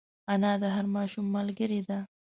انا د هر ماشوم ملګرې ده